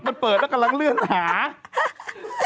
มันเปิดแล้วกำลังเลื่อนหา